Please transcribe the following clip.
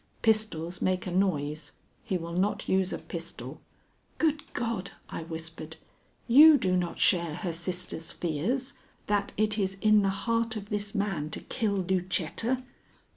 "Pistols make a noise. He will not use a pistol." "Good God!" I whispered. "You do not share her sister's fears that it is in the heart of this man to kill Lucetta?"